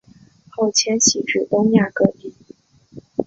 后迁徙至东亚各地。